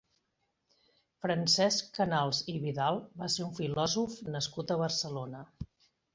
Francesc Canals i Vidal va ser un filòsof nascut a Barcelona.